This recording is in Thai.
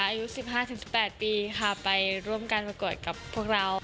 อายุ๑๕๑๘ปีค่ะไปร่วมการประกวดกับพวกเรา